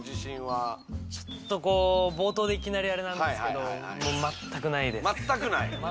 冒頭でいきなりあれなんですけど、全くないです。